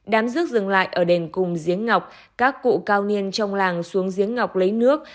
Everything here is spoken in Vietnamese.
đám rước dừng lại ở đền cùng giếng ngọc các cụ cao niên trong làng xuống giếng ngọc lấy nước